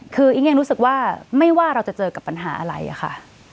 คืออิ๊งยังรู้สึกว่าไม่ว่าเราจะเจอกับปัญหาอะไรอะค่ะ